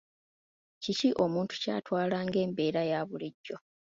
Kiki omuntu ky'atwala ng'embeera ya bulijjo.